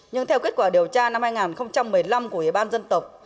nhưng theo kết quả điều tra năm hai nghìn một mươi năm của ủy ban dân tộc